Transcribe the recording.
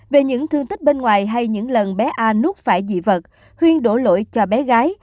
về những thương tích bên ngoài hay những lần bé a nuốt phải dị vật huyên đổ lỗi cho bé gái